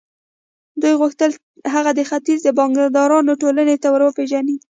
دوی غوښتل هغه د ختيځ د بانکدارانو ټولنې ته ور وپېژني.